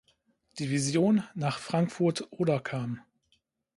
Division nach Frankfurt (Oder) kam.